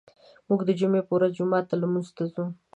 موږ د جمعې په ورځو کې جومات ته لمونځ ته ځو.